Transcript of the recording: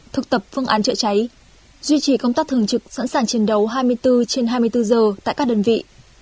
thực tập phương án chữa cháy duy trì công tác thường trực sẵn sàng chiến đấu hai mươi bốn trên hai mươi bốn giờ tại các đơn vị